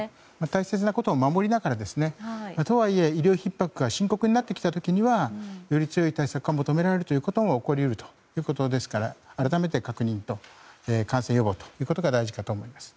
大切なことを守りながらとはいえ、医療ひっ迫が深刻になってきた時にはより強い対策が求められることも起こり得るということですから改めて確認と感染予防ということが大事かと思います。